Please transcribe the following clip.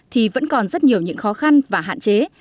thì vẫn còn rất nhiều những khó khăn và hạn chế